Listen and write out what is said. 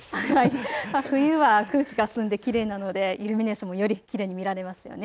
冬は空気が澄んできれいなのでイルミネーションもよりきれいに見られますよね。